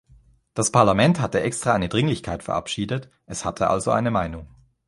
Das Parlament hatte extra eine Dringlichkeit verabschiedet, es hatte also eine Meinung.